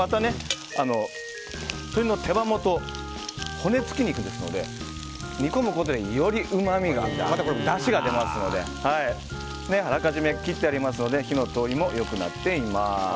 鶏の手羽元、骨付き肉ですので煮込むことでよりうまみが出ますしだしが出ますのであらかじめ切ってありますので火の通りも良くなっています。